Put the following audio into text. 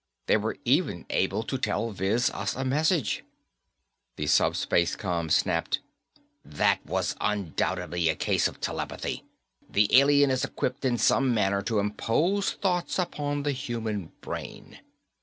They even were able to telviz us a message." The SupSpaceCom snapped, "That was undoubtedly a case of telepathy. The alien is equipped in some manner to impose thoughts upon the human brain.